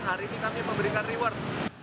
hari ini kami memberikan reward